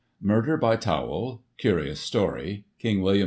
Murder by Tawell — Curious story — King William IV.